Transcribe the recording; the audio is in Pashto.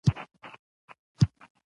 پر ملخ یې سترګي نه سوای پټولای